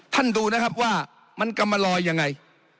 ดูนะครับว่ามันกำมาลอยยังไง